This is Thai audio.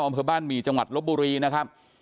อำเภอบ้านหมี่จังหวัดลบบุรีนะครับ